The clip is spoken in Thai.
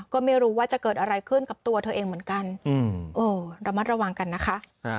ก็ไม่รู้ว่าจะเกิดอะไรขึ้นกับตัวเธอเองเหมือนกันระมัดระวังกันนะคะ